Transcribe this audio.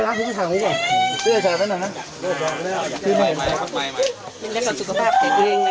ยังไงครับเอาลิ้นแตกลงไปด้วยน้ำหรอ